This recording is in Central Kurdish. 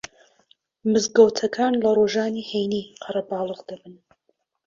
مزگەوتەکان لە ڕۆژانی هەینی قەرەباڵغ دەبن